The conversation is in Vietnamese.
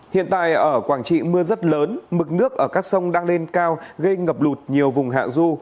hiện tại ở quảng trị mưa rất lớn mực nước ở các sông đang lên cao gây ngập lụt nhiều vùng hạ du